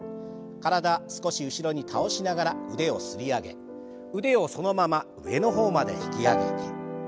少し後ろに倒しながら腕をすり上げ腕をそのまま上の方まで引き上げて。